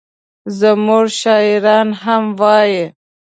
زموږ شاعران هم وایي.